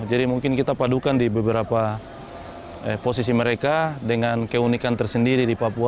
jadi mungkin kita padukan di beberapa posisi mereka dengan keunikan tersendiri di papua